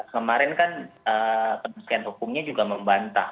kemarin kan penelitian hukumnya juga membantah